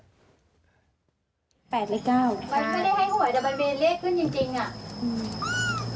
มันไม่ได้ให้หวยแต่มันมีเลขขึ้นจริงจริงอ่ะอืม